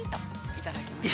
いただきました。